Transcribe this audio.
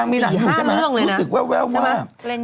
นางมีรันหนึ่งใช่มะรู้สึกแววมาก